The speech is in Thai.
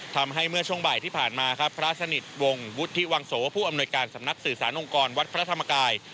ทำให้เมื่อช่วงบ่ายที่ผ่านมาครับพระสนิทวงศ์วุฒิวังโสผู้อำนวยการสำนักสื่อสารองค์กรวัดพระธรรมกาย